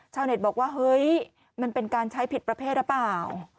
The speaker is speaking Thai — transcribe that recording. เน็ตบอกว่าเฮ้ยมันเป็นการใช้ผิดประเภทหรือเปล่า